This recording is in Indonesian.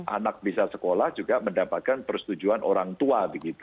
anak bisa sekolah juga mendapatkan persetujuan orang tua